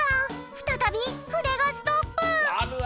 ふたたびふでがストップ。